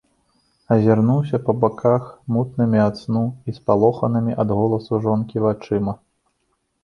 Азірнуўся па баках мутнымі ад сну і спалоханымі ад голасу жонкі вачыма.